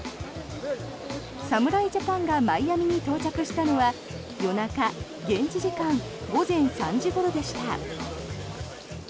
侍ジャパンがマイアミに到着したのは夜中、現地時間午前３時ごろでした。